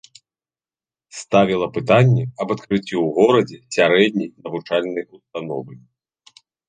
Ставіла пытанне аб адкрыцці ў горадзе сярэдняй навучальнай установы.